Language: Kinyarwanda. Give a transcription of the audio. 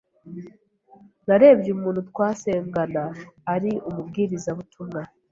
Narebye umuntu twasengana ari umubwiriza butumwa